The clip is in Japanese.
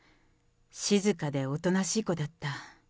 静かでおとなしい子だった。